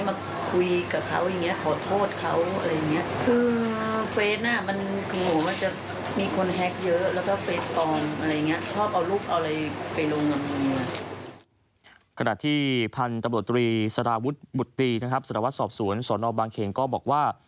ขณะที่พันธุ์ตำรวจตรีสารวุฒิบุตตีนะครับสารวัตรสอบสวนสนบางเขนก็บอกว่า